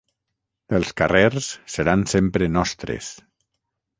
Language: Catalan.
Els carrers seran sempre nostres!